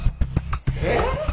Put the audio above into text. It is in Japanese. えっ！？